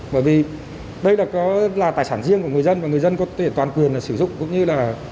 bởi vì đây có là tài sản riêng của người dân và người dân có thể toàn quyền sử dụng cũng như là